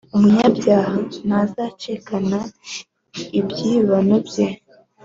Umunyabyaha ntazacikana ibyibano bye,